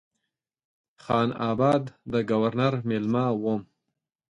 خان آباد د ګورنر مېلمه وم.